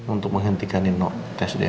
untuk menghentikan inuptas diana